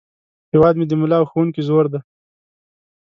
هیواد مې د ملا او ښوونکي زور دی